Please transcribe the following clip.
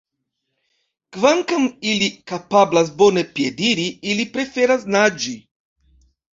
Kvankam ili kapablas bone piediri, ili preferas naĝi.